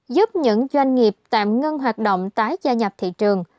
giúp những doanh nghiệp tạm ngưng hoạt động tái gia nhập thị trường